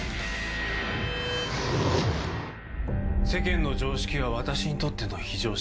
世間の常識は私にとっての非常識。